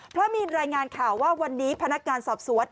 เพราะมีรายงานข่าวว่าวันนี้พนักงานสอบสวน